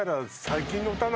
最近の歌？